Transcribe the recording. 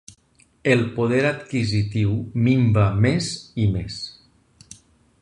El poder adquisitiu minva més i més.